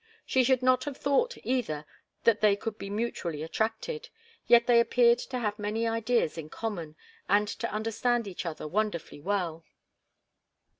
She should not have thought, either, that they could be mutually attracted. Yet they appeared to have many ideas in common, and to understand each other wonderfully well.